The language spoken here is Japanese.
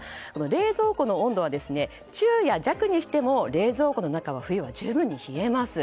冷蔵庫の温度は中や弱にしても冷蔵庫の中は冬は十分に冷えます。